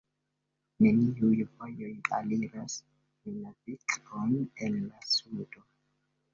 Neniuj vojoj aliras Nunavik-on el la sudo.